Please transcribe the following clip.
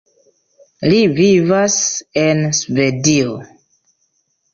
Li vivas en Svedio.